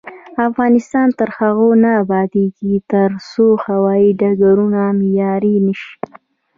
افغانستان تر هغو نه ابادیږي، ترڅو هوايي ډګرونه معیاري نشي.